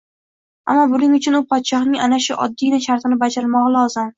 Ammo buning uchun u podshohning ana shu oddiygina shartini bajarmog`i lozim